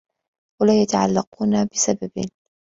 وَلَا يَتَعَلَّقُونَ بِسَبَبٍ